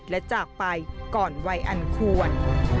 และจากไปก่อนวัยอันควร